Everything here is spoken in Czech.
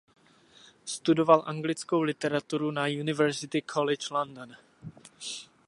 Studoval anglickou literaturu na University College London.